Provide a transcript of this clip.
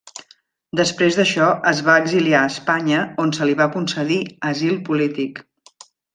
Després d'això es va exiliar a Espanya, on se li va concedir asil polític.